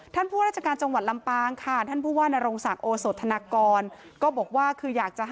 ท่านผู้รัชกาลจังหวัดลำปางค่ะท่านผู้ว่านรงศักดิ์โอโศธนากร